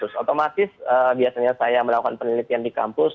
otomatis biasanya saya melakukan penelitian di kampus